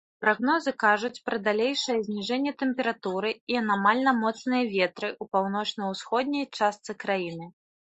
Прагнозы кажуць пра далейшае зніжэнне тэмпературы і анамальна моцныя ветры ў паўночна-ўсходняй частцы краіны.